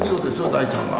大ちゃんは。